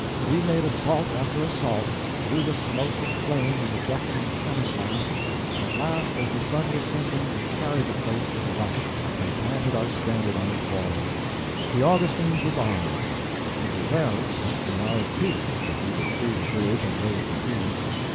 We made assault after assault, through the smoke and flame and the deafening cannon blasts, and at last as the sun was sinking we carried the place with a rush, and planted our standard on its walls. The Augustins was ours. The Tourelles must be ours, too, if we would free the bridge and raise the siege.